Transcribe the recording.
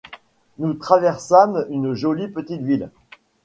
Nous traversâmes une jolie petite ville.